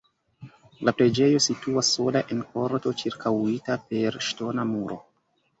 La preĝejo situas sola en korto ĉirkaŭita per ŝtona muro.